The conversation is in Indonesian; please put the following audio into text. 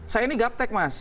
saya ini gap tech mas